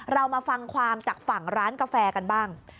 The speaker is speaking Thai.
เรามาฟังความจากฝั่งร้านกาแฟกันบ้าง